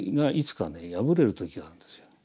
破れる時があるんですよ。